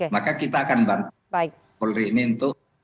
maka kita akan bantu polri ini untuk